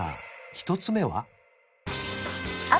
１つ目は？